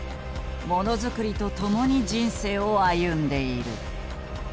ものづくりとともに人生を歩んでいる。